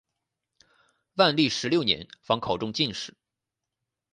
万历十六年方考中进士。